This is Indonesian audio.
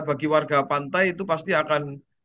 bagi warga pantai itu pasti akan